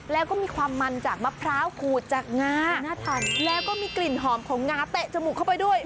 แล้วก็มีความมันจากมะพร้าวขูดจากงาน่าทันแล้วก็มีกลิ่นหอมของงาเตะจมูกเข้าไปด้วย